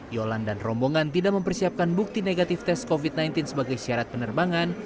yolan dan rombongan tidak mempersiapkan bukti negatif tes covid sembilan belas sebagai syarat penerbangan